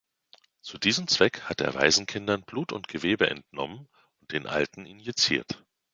Zu diesem Zweck hat er Waisenkindern Blut und Gewebe entnommen und den Alten injiziert.